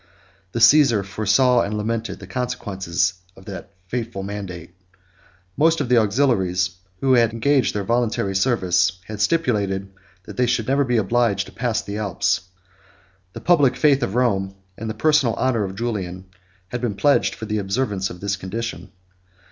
4 The Cæsar foresaw and lamented the consequences of this fatal mandate. Most of the auxiliaries, who engaged their voluntary service, had stipulated, that they should never be obliged to pass the Alps. The public faith of Rome, and the personal honor of Julian, had been pledged for the observance of this condition.